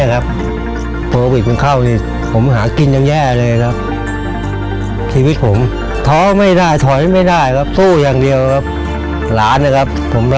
ให้ตายตายก่อนเองด้วยหอม